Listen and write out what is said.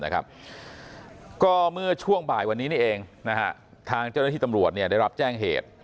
ก็เมื่อช่วงบ่ายวันนี้นี่เองทางเจ้าหน้าที่ตำรวจได้รับแจ้งเหตุ